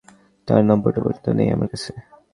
তার নম্বরটা পর্যন্ত নেই আমার কাছে।